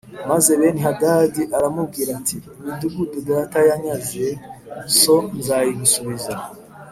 Maze Benihadadi aramubwira ati “Imidugudu data yanyaze so nzayigusubiza